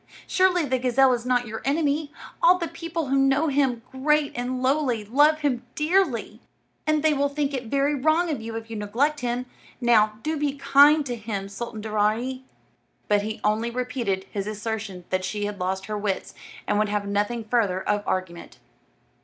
Surely the gazelle is not your enemy. All the people who know him, great and lowly, love him dearly, and they will think it very wrong of you if you neglect him. Now, do be kind to him, Sultan Daaraaee." But he only repeated his assertion that she had lost her wits, and would have nothing further of argument.